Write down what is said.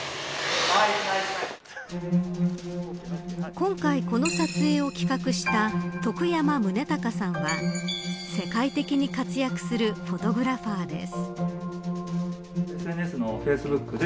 今回この撮影を企画したトクヤマムネタカさんは世界的に活躍するフォトグラファーです。